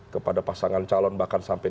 kepada pasangan calon bahkan sampai